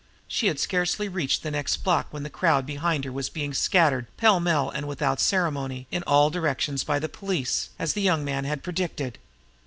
She had scarcely reached the next block when the crowd behind her was being scattered pell mell and without ceremony in all directions by the police, as the young man had predicted.